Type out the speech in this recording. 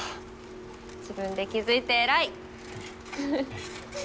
自分で気付いて偉い！